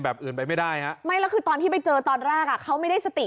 อื่นไปไม่ได้ฮะไม่แล้วคือตอนที่ไปเจอตอนแรกอ่ะเขาไม่ได้สติ